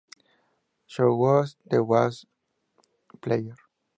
So Who's The Bass Player?